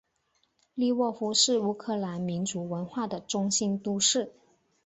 利沃夫是乌克兰民族文化的中心都市。